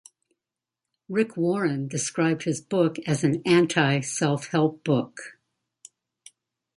Rick Warren described his book as an anti-self-help book.